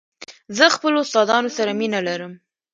زه له خپلو استادانو سره مینه لرم.